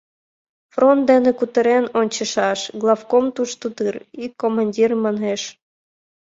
— Фронт дене кутырен ончышаш: главком тушто дыр? — ик командир манеш.